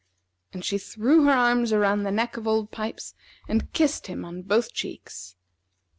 And she threw her arms around the neck of Old Pipes, and kissed him on both cheeks.